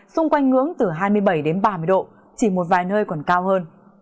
xung quanh ngưỡng từ hai mươi bảy đến ba mươi độ chỉ một vài nơi còn cao hơn